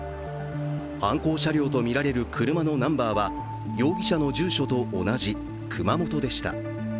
犯行車両とみられる車のナンバーは容疑者の住所と同じ熊本でした。